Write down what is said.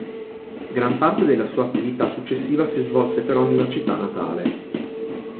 Gran parte della sua attività successiva si svolse però nella città natale.